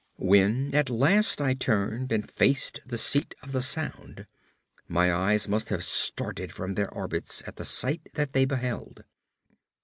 When at last I turned and faced the seat of the sound, my eyes must have started from their orbits at the sight that they beheld.